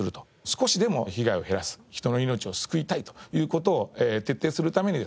少しでも被害を減らす人の命を救いたいという事を徹底するためにですね